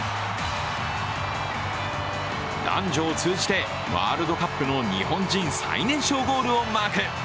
男女を通じてワールドカップの日本人最年少ゴールをマーク。